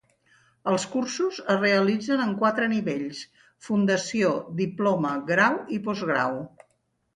Els cursos es realitzen en quatre nivells: fundació, diploma, grau i postgrau.